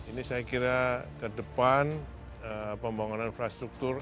ini saya kira ke depan pembangunan infrastruktur